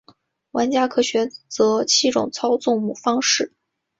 玩家可选择七种操纵方式。